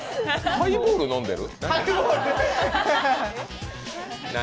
ハイボール飲んでる？